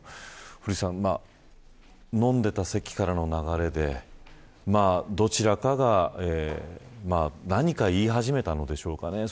古市さん飲んでいた席からの流れでどちらかが何か言い始めたのでしょうかね。